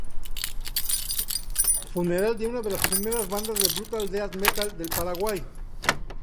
Funeral fue una de las primeras bandas de Brutal Death Metal del Paraguay.